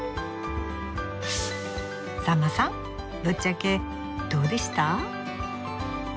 さんまさんぶっちゃけどうでした？